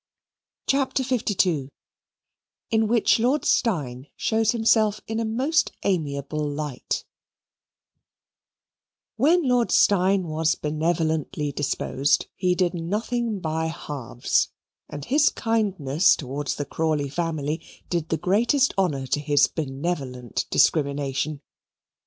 CHAPTER LII In Which Lord Steyne Shows Himself in a Most Amiable Light When Lord Steyne was benevolently disposed, he did nothing by halves, and his kindness towards the Crawley family did the greatest honour to his benevolent discrimination.